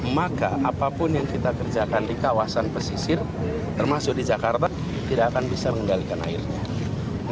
maka apapun yang kita kerjakan di kawasan pesisir termasuk di jakarta tidak akan bisa mengendalikan airnya